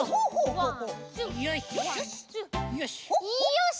よし！